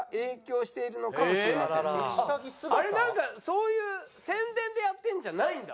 あれなんかそういう宣伝でやってるんじゃないんだ。